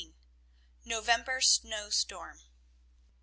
NOVEMBER SNOWSTORM.